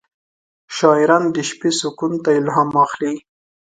شاعران د شپې سکون ته الهام اخلي.